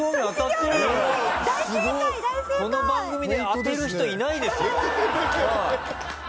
この番組で当てる人いないですよ。